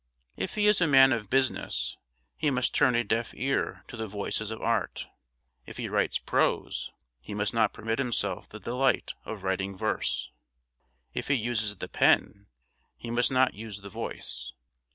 If he is a man of business, he must turn a deaf ear to the voices of art; if he writes prose, he must not permit himself the delight of writing verse; if he uses the pen, he must not use the voice.